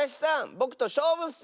ぼくとしょうぶッス！